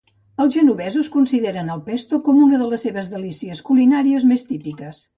Els genovesos consideren el pesto com una de les seves delícies culinàries més típiques.